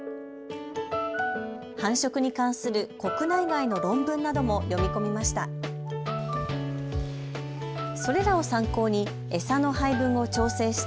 繁殖に関する国内外の論文なども読み込みました。